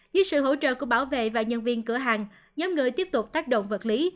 dưới sự hỗ trợ của bảo vệ và nhân viên cửa hàng nhóm người tiếp tục tác động vật lý